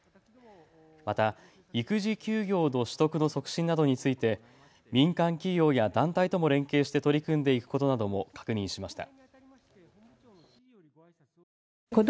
また育児休業の取得の促進などについて民間企業や団体とも連携して取り組んでいくことなども確認しました。